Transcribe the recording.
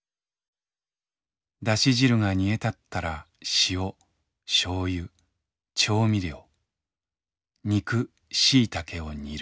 ダシ汁がにえたったら塩しょうゆ調味料肉しいたけをにる。